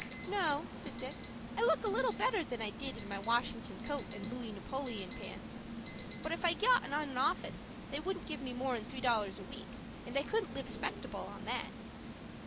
"No," said Dick; "I look a little better than I did in my Washington coat and Louis Napoleon pants. But if I got in a office, they wouldn't give me more'n three dollars a week, and I couldn't live 'spectable on that."